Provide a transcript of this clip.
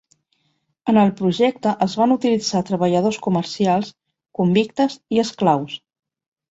En el projecte es van utilitzar treballadors comercials, convictes i esclaus.